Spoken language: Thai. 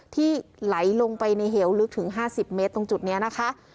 ที่ไหลลงไปในเหยียวลึกถึงห้าสิบเมตรตรงจุดเนี้ยนะคะ